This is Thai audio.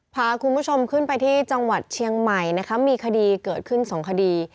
พาคุณผู้ชมขึ้นไปที่จังหวัดเชียงใหม่นะคะมีคดีเกิดขึ้นสองคดี